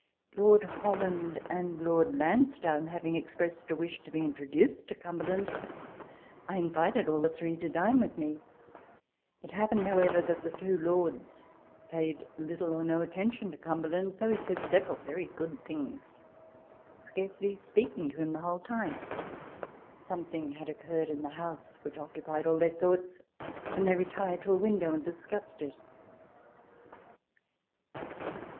* Lord Holland and Lord Lansdowne having ex pressed a wish to be introduced to Cumberland, I invited all the three to dine with me. It happened, however, that the two lords paid little or no atten tion to Cumberland (though he said several very good things) scarcely speaking to him the whole time : something had occurred in the House which occupied all their thoughts ; and they retired to a^ window, and discussed it.